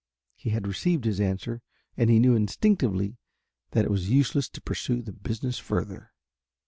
He had received his answer and he knew instinctively that it was useless to pursue the business further.